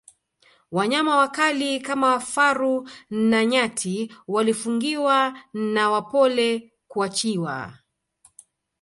wanyama wakali kama faru na nyati walifungiwa na wapole kuachiwa